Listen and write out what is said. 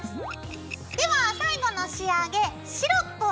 では最後の仕上げシロップを作ります。